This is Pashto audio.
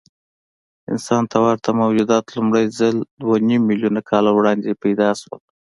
انسان ته ورته موجودات لومړی ځل دوهنیممیلیونه کاله وړاندې راپیدا شول.